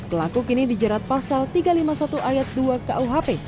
pelaku kini dijerat pasal tiga ratus lima puluh satu ayat dua kuhp